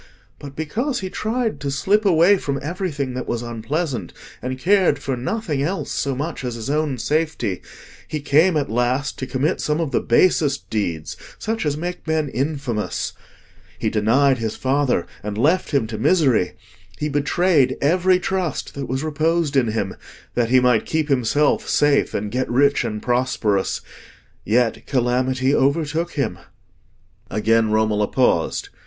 But because he tried to slip away from everything that was unpleasant, and cared for nothing else so much as his own safety, he came at last to commit some of the basest deeds—such as make men infamous. He denied his father, and left him to misery; he betrayed every trust that was reposed in him, that he might keep himself safe and get rich and prosperous. Yet calamity overtook him." Again Romola paused.